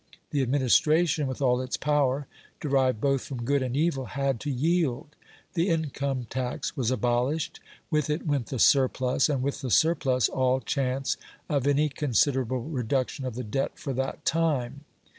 The administration with all its power derived both from good and evil had to yield; the income tax was abolished, with it went the surplus, and with the surplus all chance of any considerable reduction of the debt for that time.